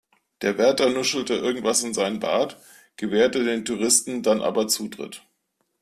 Der Wärter nuschelte irgendwas in seinen Bart, gewährte den Touristen dann aber Zutritt.